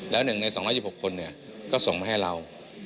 แล้ว๑ใน๒๑๖คนก็ส่งมาให้เรา